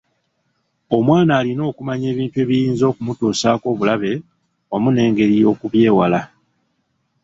Omwana alina okumanya ebintu ebiyinza okumutuusaako obulabe wamu n’engeri y’okubyewala.